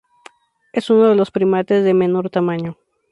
Es uno de los primates de menor tamaño.